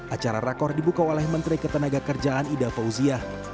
acara rakor dibuka oleh menteri ketenaga kerjaan ida fauziah